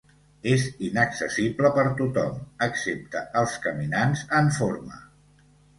És inaccessible per tothom, excepte els caminants en forma.